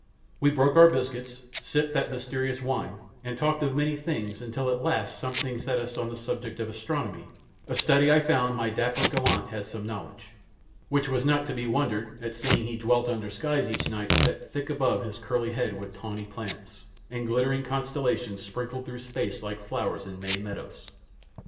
We broke our biscuits, sipped that mysterious wine, and talked of many things until at last something set us on the subject of astronomy, a study I found my dapper gallant had some knowledge of which was not to be wondered at seeing he dwelt under skies each night set thick above his curly head with tawny planets, and glittering constellations sprinkled through space like flowers in May meadows.